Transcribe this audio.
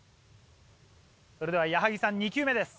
それでは矢作さん２球目です。